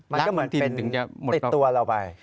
มันก็เหมือนติดตัวเราไป